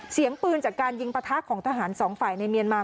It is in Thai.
เสียงปืนจากการยิงปะทะของทหารสองฝ่ายในเมียนมา